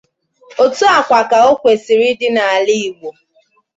Otu a kwa ka o kwesịrị ịdị n’ala Igbo